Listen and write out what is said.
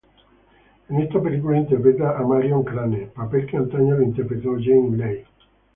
En esta película interpreta a Marion Crane, papel que antaño lo interpretó Janet Leigh.